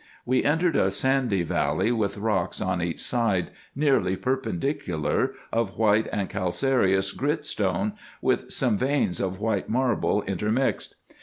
We entered a sandy valley with rocks on each side nearly perpendicular, of white and calcareous grit stone, with some veins of white marble in termixed.